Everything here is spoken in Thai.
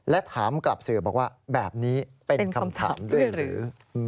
และถามกลับสื่อบอกว่าแบบนี้เป็นคำถามด้วยหรือ